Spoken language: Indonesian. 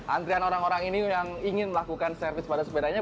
antrian orang orang ini yang ingin melakukan servis pada sepedanya